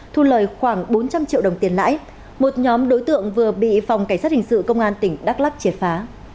thu lời khoảng bốn trăm linh triệu đồng tiền lãi một nhóm đối tượng vừa bị phòng cảnh sát hình sự công an tỉnh đắk lắc triệt phá